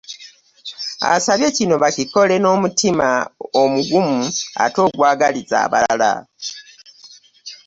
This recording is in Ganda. Asabye kino bakikole n'omutima omugumu ate ogwagaliza abalala.